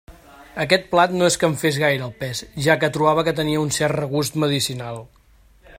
Aquest plat no és que em fes gaire el pes, ja que trobava que tenia un cert regust medicinal.